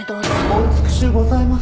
お美しゅうございます。